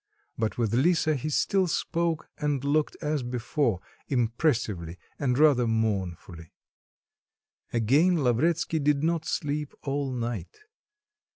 But with Lisa he still spoke and looked as before, impressively and rather mournfully. Again Lavretsky did not sleep all night.